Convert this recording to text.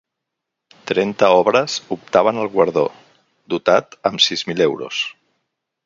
Trenta obres optaven al guardó, dotat amb sis mil euros.